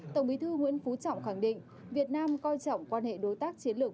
tổng bí thư nguyễn phú trọng khẳng định việt nam coi trọng quan hệ đối tác chiến lược